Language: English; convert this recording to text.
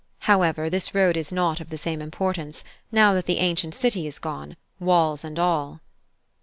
However, this road is not of the same importance, now that the ancient city is gone, walls and all."